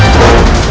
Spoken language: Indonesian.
aku akan menang